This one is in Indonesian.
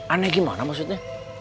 aneh gimana maksudnya